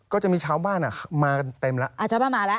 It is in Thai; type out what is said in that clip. ก็จะมีชาวบ้านมาเต็มล่ะ